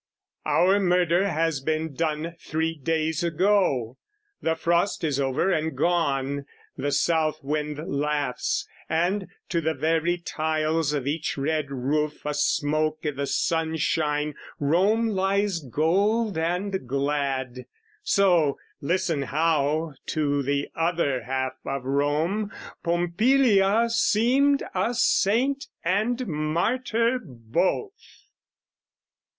Our murder has been done three days ago, The frost is over and gone, the south wind laughs, And, to the very tiles of each red roof A smoke i' the sunshine, Rome lies gold and glad: So, listen how, to the other half of Rome, Pompilia seemed a saint and martyr both!